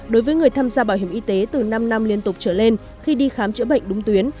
đối với người tham gia bảo hiểm y tế từ năm năm liên tục trở lên khi đi khám chữa bệnh đúng tuyến